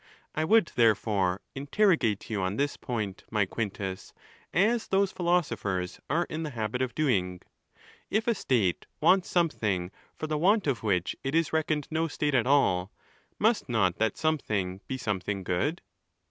I would, therefore, interrogate you on this point, my Quintus, as those philosophers are in the habit of doing. If a state wants something for the want of which it is reckoned no state at all, must not that something be something good?